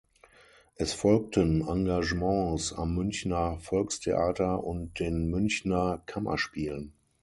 Es folgten Engagements am Münchner Volkstheater und den Münchner Kammerspielen.